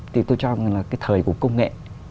thì tôi cho là cái thời của công nghệ